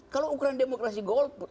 kalau ukuran demokrasi golput